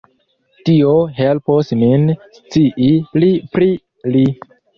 Tio helpos min scii pli pri li.